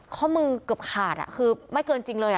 ข้อมือเกือบขาดคือไม่เกินจริงเลย